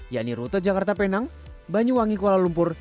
yakni rute jakarta penang banyuwangi kuala lumpur